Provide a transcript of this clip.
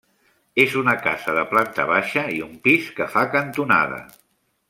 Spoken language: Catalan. És una casa de planta baixa i un pis que fa cantonada.